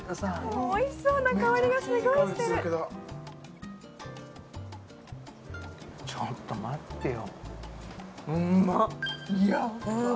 もう美味しそうな香りがすごいしてるちょっと待ってよ